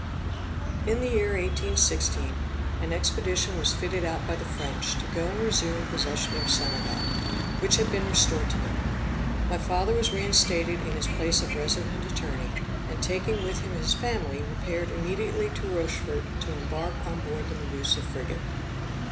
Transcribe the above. _ In the year 1816, an expedition was fitted out by the French to go and resume possession of Senegal, which had been restored to them. My father was reinstated in his place of resident attorney, and taking with him his family repaired immediately to Rochefort to embark on board the Medusa frigate.